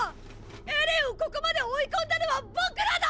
エレンをここまで追い込んだのは僕らだ！！